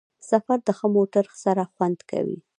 سفر د ښه موټر سره خوند کوي.